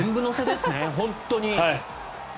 本当に。